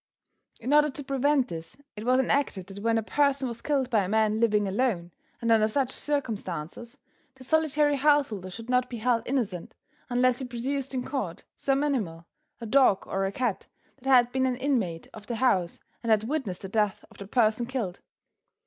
In order to prevent this, it was enacted that when a person was killed by a man living alone and under such circumstances, the solitary householder should not be held innocent unless he produced in court some animal, a dog or a cat, that had been an inmate of the house and had witnessed the death of the person killed.